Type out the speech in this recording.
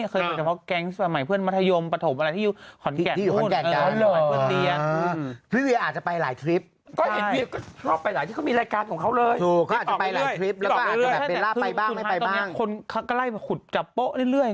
เคยไปกับแกรงสมัยเพื่อนมัธยมประถมอะไรที่อยู่